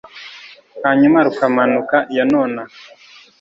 hanyuma rukamanuka i yanoha